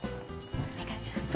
お願いします。